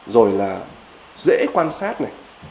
rồi là dễ quan sát này